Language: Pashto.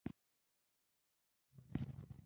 • واده د ګډ مسؤلیت ښکارندویي کوي.